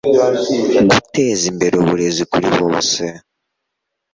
Guteza imbere uburezi kuri bose